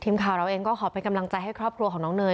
ทีมข่าวเราเองก็ขอเป็นกำลังใจให้ครอบครัวของน้องเนย